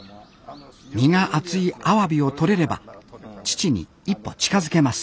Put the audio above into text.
身が厚いアワビをとれれば父に一歩近づけます